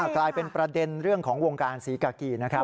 กลายเป็นประเด็นเรื่องของวงการศรีกากีนะครับ